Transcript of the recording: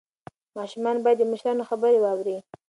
ماشومان باید د مشرانو خبرې واوري.